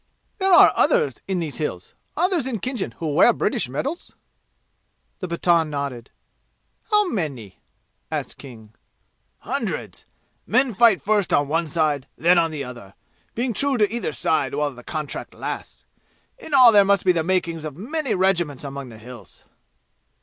"There are others in these Hills others in Khinjan who wear British medals?" The Pathan nodded. "How many?" asked King. "Hundreds. Men fight first on one side, then on the other, being true to either side while the contract lasts. In all there must be the makings of many regiments among the 'Hills.'"